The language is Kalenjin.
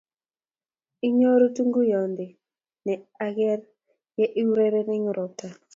inyoru tunguyonde ne ang'er ye I ureren eng' robta